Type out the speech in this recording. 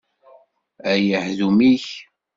A yahdum-ik!